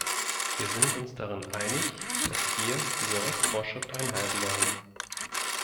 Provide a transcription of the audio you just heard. Wir sind uns darin einig, dass wir diese Rechtsvorschrift einhalten wollen.